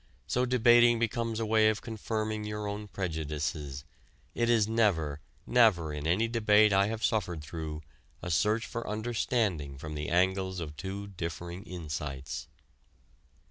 So debating becomes a way of confirming your own prejudices; it is never, never in any debate I have suffered through, a search for understanding from the angles of two differing insights.